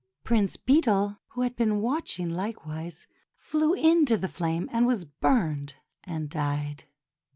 Prince Beetle, who had been watching, like wise flew into the flame, and was burned and died.